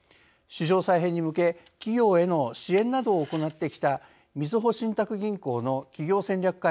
市場再編に向け企業への支援などを行ってきたみずほ信託銀行の企業戦略